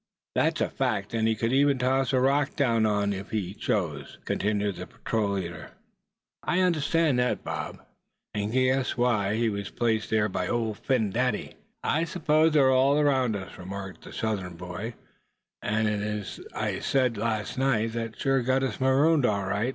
"That's a fact, and could even toss a rock down on it if he chose," continued the patrol leader. "I understood that, Bob, and can guess why he was placed there by Old Phin Dady." "I suppose they're all around us," remarked the Southern boy, "and as I said last night, they've sure got us marooned, all right.